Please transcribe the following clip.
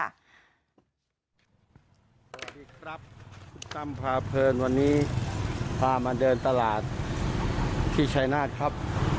สวัสดีครับคุณตั้มพาเพลินวันนี้พามาเดินตลาดที่ชายนาฏครับ